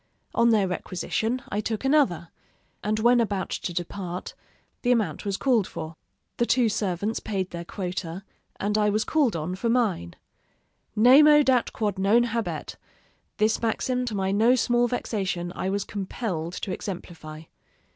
On their requisition, I took another; and when about to depart, the amount was called for. The two servants paid their quota, and I was called on for mine. Nemo dat quod non habet this maxim, to my no small vexation, I was compelled to exemplify.